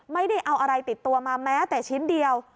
ไม่ได้เอาอะไรติดตัวมาแม้แต่ชิ้นเดียว